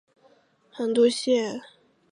此站在进入线前存在横渡线。